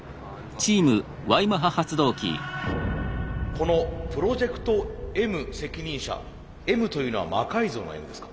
この「プロジェクトＭ責任者」「Ｍ」というのは「魔改造」の「Ｍ」ですか？